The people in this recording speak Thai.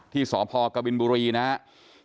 ที่สพกบินบุรีนะครับ